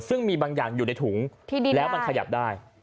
ซึ่งมีบางอย่างอยู่ในถุงแล้วมันขยับได้